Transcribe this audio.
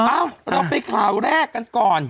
เอ้าเราไปข่าวแรกกันก่อน